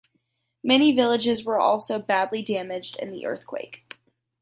Many villages were also badly damaged in the earthquake.